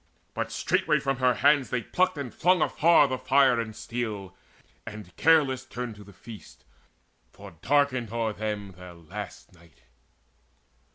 But straightway from her hands they plucked and flung Afar the fire and steel, and careless turned To the feast; for darkened o'er them their last night.